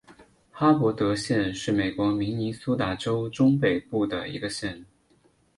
哈伯德县是美国明尼苏达州中北部的一个县。